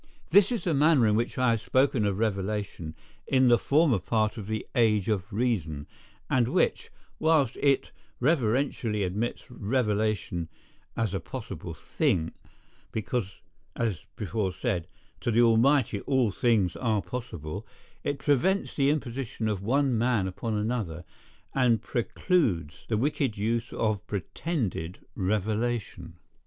This is the manner in which I have spoken of revelation in the former part of The Age of Reason; and which, whilst it reverentially admits revelation as a possible thing, because, as before said, to the Almighty all things are possible, it prevents the imposition of one man upon another, and precludes the wicked use of pretended revelation.